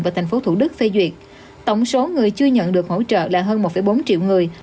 và tp thủ đức phê duyệt tổng số người chưa nhận được hỗ trợ là hơn một bốn triệu người